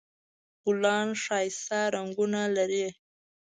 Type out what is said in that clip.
ګلان ښایسته رنګونه لري